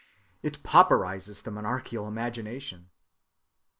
It pauperizes the monarchical imagination!